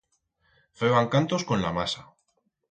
Feban cantos con la masa.